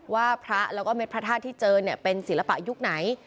ว่าพระแล้วก็เม็ดพระธาตุที่เจอเป็นศิลปะยุคไหน